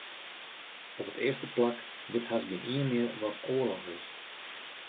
Op it earste plak wit hast gjinien mear wat oarloch is.